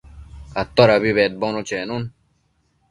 Todabi bedbono chenun